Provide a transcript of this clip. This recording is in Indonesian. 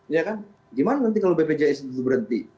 ya kan gimana nanti kalau bpjs itu berhenti